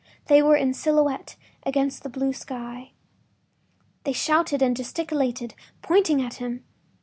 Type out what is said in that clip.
They were in silhouette against the blue sky. They shouted and gesticulated, pointing at him.